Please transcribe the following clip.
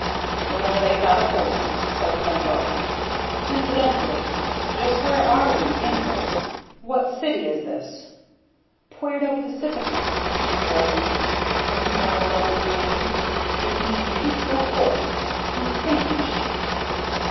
"Well, they've got a point," said Pembroke. "Incidentally, just where are we, anyway? What city is this?" "Puerto Pacifico," she told him. "Isn't that a lovely name? It means peaceful port. In Spanish."